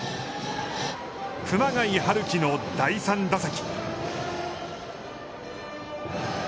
熊谷陽輝の第３打席。